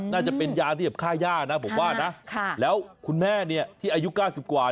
น่าจะเป็นยาที่กับค่าย่านะผมว่านะแล้วคุณแม่เนี่ยที่อายุ๙๐กว่า